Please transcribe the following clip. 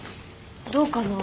どうかな？